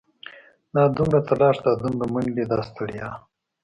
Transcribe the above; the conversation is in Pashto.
دا دومره تلاښ دا دومره منډې دا ستړيا.